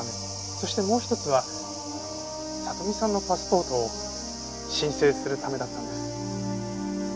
そしてもう一つは里美さんのパスポートを申請するためだったんです。